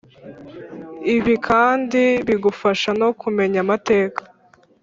Ibi kandi bigufasha no kumenya amateka